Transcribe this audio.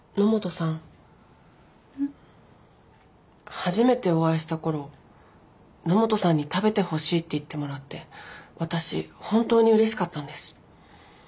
初めてお会いした頃野本さんに「食べてほしい」って言ってもらって私本当にうれしかったんです。